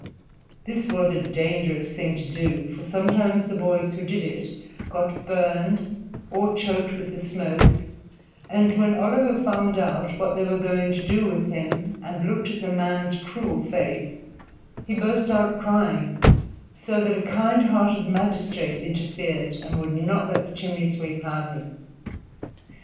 This was a dangerous thing to do, for sometimes the boys who did it got burned or choked with the smoke, and when Oliver found what they were going to do with him and looked at the man's cruel face, he burst out crying, so that a kind hearted magistrate interfered and would not let the chimney sweep have him.